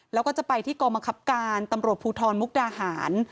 แล้วก็จะไปที่กองบังคับการตำรวจภูทรมุกดาหาร